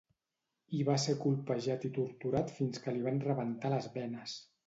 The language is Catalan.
Hi va ser colpejat i torturat fins que li van rebentar les venes.